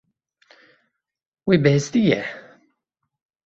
Wî bihîstiye.